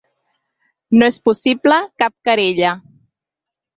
No és possible cap querella.